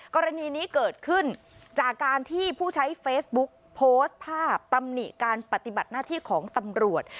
กรณีนี้เกิดขึ้นจากการที่ผู้ใช้เฟซบุ๊กโพสต์ภาพตำหนิการปฏิบัติหน้าที่ของตำรวจ